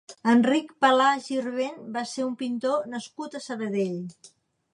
Enric Palà Girvent va ser un pintor nascut a Sabadell.